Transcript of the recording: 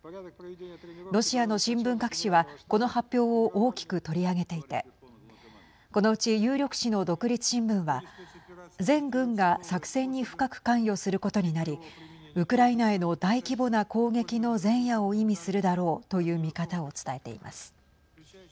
ロシアの新聞各紙はこの発表を大きく取り上げていてこのうち有力紙の独立新聞は全軍が作戦に深く関与することになりウクライナへの大規模な攻撃の前夜を意味するだろうという見方を伝えています。